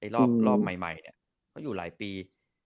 รอบใหม่เขาอยู่หลายปี